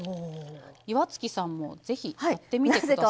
岩槻さんもぜひ、やってみてください。